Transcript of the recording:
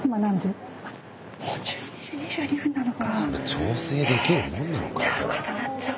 調整できるもんなのかい？